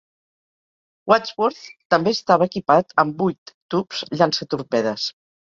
"Wadsworth" també estava equipat amb vuit tubs llançatorpedes.